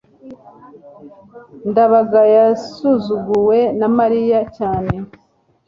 ndabaga yasuzuguwe na mariya cyane